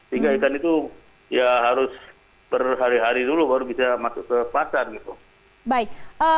tiga ikan itu ya harus berhari hari dulu baru bisa masuk ke pasar gitu